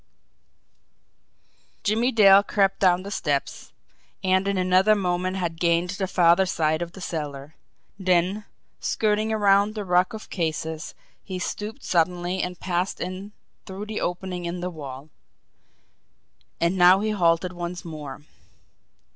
Jimmie Dale crept down the steps, and in another moment had gained the farther side of the cellar; then, skirting around the ruck of cases, he stooped suddenly and passed in through the opening in the wall. And now he halted once more.